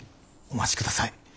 お待ちください。